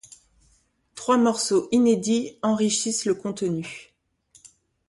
Trois morceaux inédits enchérissent le contenu.